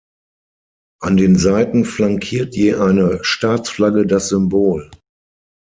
An den Seiten flankiert je eine Staatsflagge das Symbol.